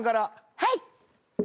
はい。